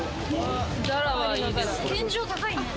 天井高いね。